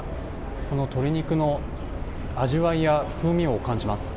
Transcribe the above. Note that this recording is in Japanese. この鶏肉の味わいや風味を感じます。